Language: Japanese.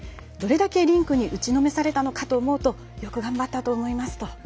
どれだけリンクに打ちのめされたのかと思うとよく頑張ったと思いますと。